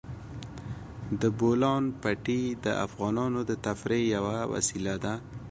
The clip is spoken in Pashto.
د بولان پټي د افغانانو د تفریح یوه وسیله ده.